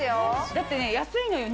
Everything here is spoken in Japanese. だってね、安いのよ。